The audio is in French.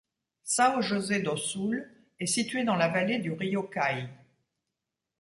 São José do Sul est située dans la vallée du rio Caí.